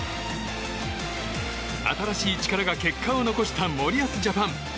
新しい力が結果を残した森保ジャパン。